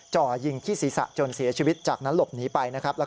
จ่อยิงที่ศีรษะจนเสียชีวิตจากนั้นหลบหนีไปนะครับ